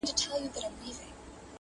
ګله له تا هم زلمي ډاریږي٫